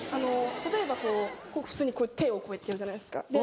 例えば普通に手をこうやってやるじゃないですか。